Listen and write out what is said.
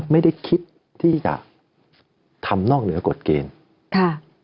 ไม่ได้คิดที่จะทำนอกเหนือกฎเกณฑ์ค่ะ